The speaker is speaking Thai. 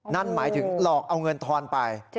นั่นหมายถึงหลอกเอาเงินทอนไป